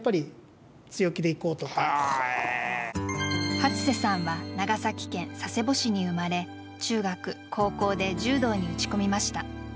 初瀬さんは長崎県佐世保市に生まれ中学高校で柔道に打ち込みました。